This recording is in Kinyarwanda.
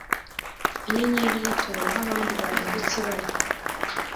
Inyenyeri ye itobora aho abandi bahindutse ibara